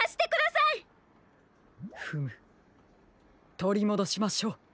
フムとりもどしましょう。